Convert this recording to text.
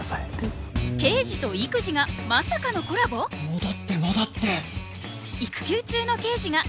戻って戻って。